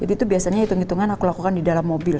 itu biasanya ngitung ngitungan aku lakukan di dalam mobil